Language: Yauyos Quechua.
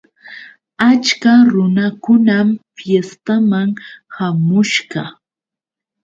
Achka runakunam fiestaman hamushqa.